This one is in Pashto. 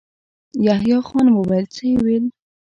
يحيی خان وويل: څه يې ويل؟